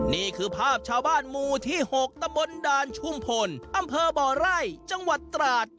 นี่คือภาพชาวบ้านหมู่ที่๖ตำบลด่านชุมพลอำเภอบ่อไร่จังหวัดตราด